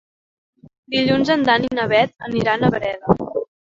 Dilluns en Dan i na Bet aniran a Breda.